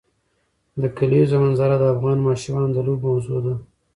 د کلیزو منظره د افغان ماشومانو د لوبو موضوع ده.